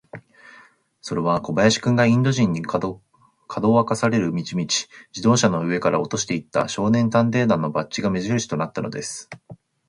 それは小林君が、インド人に、かどわかされる道々、自動車の上から落としていった、少年探偵団のバッジが目じるしとなったのです。